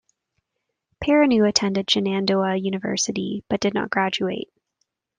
Perrineau attended Shenandoah University, but did not graduate.